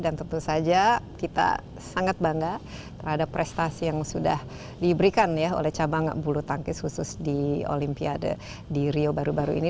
dan tentu saja kita sangat bangga terhadap prestasi yang sudah diberikan oleh cabang bulu tangkis khusus di olimpiade di rio baru baru ini